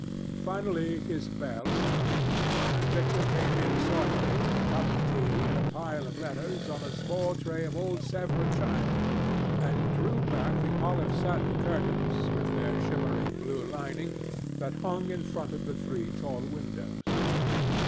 Finally his bell sounded, and Victor came in softly with a cup of tea, and a pile of letters, on a small tray of old Sevres china, and drew back the olive satin curtains, with their shimmering blue lining, that hung in front of the three tall windows.